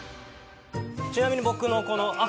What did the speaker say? ちなみに僕のこの赤。